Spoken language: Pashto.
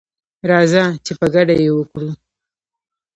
راځه چي په ګډه یې وکړو